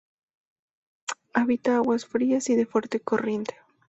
Habita aguas frías y de fuerte corriente.